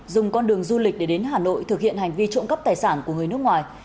dùng con đường du lịch để đến hà nội thực hiện hành vi trộm cắp tài sản của người nước ngoài